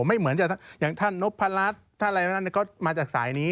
ไม่เหมือนอย่างท่านนพรัชท่านอะไรทั้งนั้นก็มาจากสายนี้